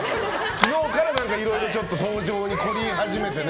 昨日からいろいろ登場に凝り始めてね。